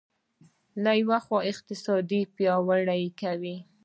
له یوې خوا اقتصاد پیاوړی کوي.